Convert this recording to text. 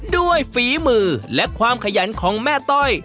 ฝีมือและความขยันของแม่ต้อย